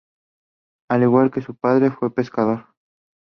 Al igual que su padre, fue pescador.